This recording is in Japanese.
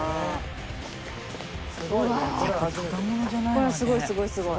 これはすごいすごいすごい。